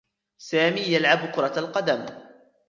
سامي يلعب كرة القدم.